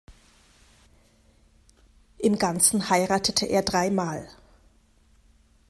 Im Ganzen heiratete er dreimal.